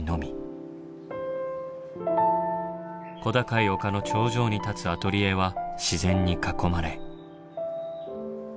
小高い丘の頂上に立つアトリエは自然に囲まれ。